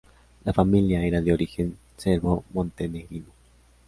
La familia era de origen serbo-montenegrino.